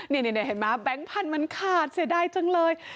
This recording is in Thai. นี่หนิเหมือนมันขาดเสียใจจังเลย